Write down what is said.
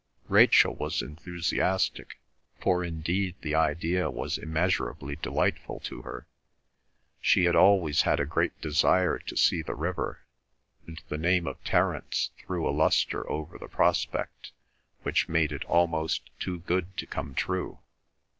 Rachel was enthusiastic, for indeed the idea was immeasurably delightful to her. She had always had a great desire to see the river, and the name of Terence threw a lustre over the prospect, which made it almost too good to come true.